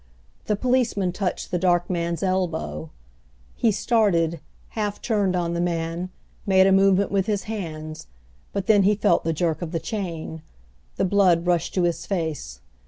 The policeman touched the dark man's elbow. He started, half turned on the man, made a movement with his hands; but then he felt the jerk of the chain. The blood rushed to his face.